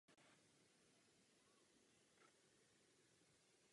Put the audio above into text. Z návštěvy na Haiti napsal svou nejznámější novelu "Království z toho světa".